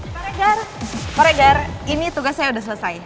pak regar pak regar ini tugas saya udah selesai